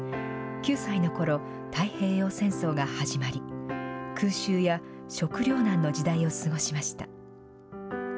９歳のころ、太平洋戦争が始まり、空襲や食糧難の時代を過ごしました。